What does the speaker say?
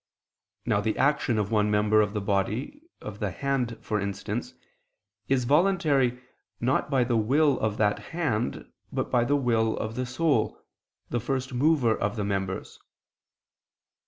Now the action of one member of the body, of the hand for instance, is voluntary not by the will of that hand, but by the will of the soul, the first mover of the members.